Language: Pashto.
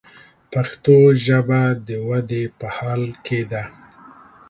پښتو ژبه د ودې په حال کښې ده.